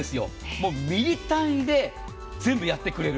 もうミリ単位で全部やってくれる。